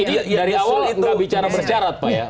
iya dari awal nggak bicara bersarat pak ya